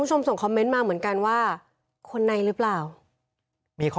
ส่งคอมเมนต์มาเหมือนกันว่าคนในหรือเปล่ามีข้อ